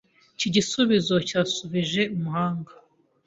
Iki gisubizo cyashubije umuhanga